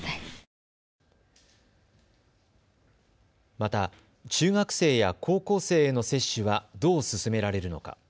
また中学生や高校生への接種はどう進められるのか。